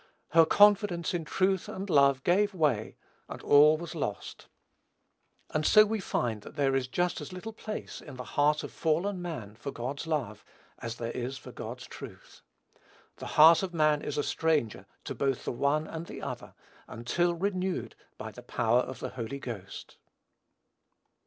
Her confidence in truth and love gave way, and all was lost; and so we find that there is just as little place in the heart of fallen man for God's love, as there is for God's truth. The heart of man is a stranger to both the one and the other, until renewed by the power of the Holy Ghost.